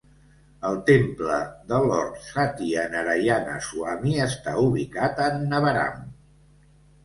El temple de Lord Satyanarayana Swamy està ubicat a Annavaram.